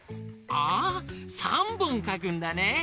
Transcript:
ああ３ぼんかくんだね。